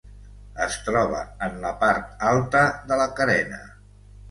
Es troba en la part alta de la carena.